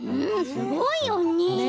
すごいよね。